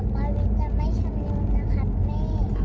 กลับมาวินจะไม่ชำนวนนะครับแม่